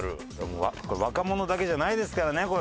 若者だけじゃないですからね。